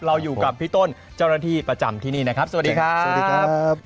เราอยู่กับพี่ต้นเจ้าหน้าที่ประจำที่นี่นะครับสวัสดีครับ